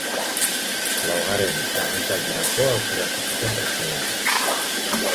Laugarren agintaldirako aukeratu zuten presidente.